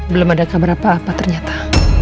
belum ada kabar apa apa ternyata